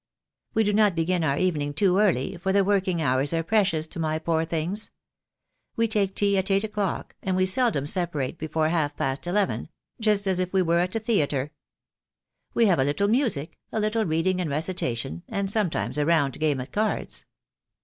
We do not begin our evening too early, for the working hours are precious to my poor things. We take tea at eight o'clock, and we seldom separate before half past eleven — just as if we were at a theatre. We have a little music, a little reading and recitation, and sometimes a round game at cards.